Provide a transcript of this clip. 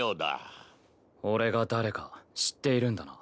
俺が誰か知っているんだな。